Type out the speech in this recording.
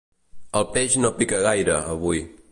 El peix no pica gaire, avui.